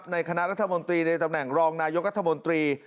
ในคณะรัฐมนตรีในตำแหน่งรองนายกรัฐมนตรี